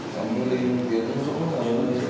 thì ông lại đi đi